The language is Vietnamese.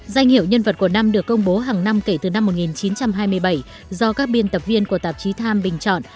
danh hiệu nhân vật của năm được công bố hàng năm kể từ năm một nghìn chín trăm hai mươi bảy do các biên tập viên của tạp chí times bình chọn